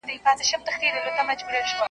تر بام لاندي یې مخلوق تر نظر تېر کړ .